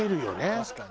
確かにね。